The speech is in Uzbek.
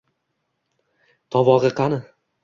– Tovog‘i qani?